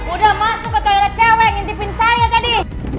udah masuk ke kamar ada cewek yang ngintipin saya tadi